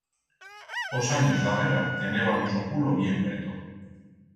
Os anyos d'a guerra tenébanos o culo bien preto.